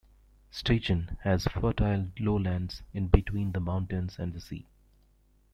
Steigen has fertile lowlands in between the mountains and the sea.